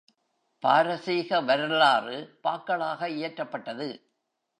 பாரசீக வரலாறு பாக்களாக இயற்றப்பட்டது.